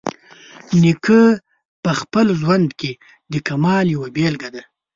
نیکه په خپل ژوند کې د کمال یوه بیلګه ده.